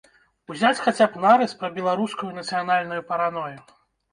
Узяць хаця б нарыс пра беларускую нацыянальную паранойю.